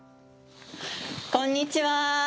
こんにちは。